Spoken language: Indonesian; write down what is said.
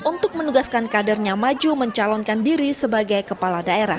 untuk menugaskan kadernya maju mencalonkan diri sebagai kepala daerah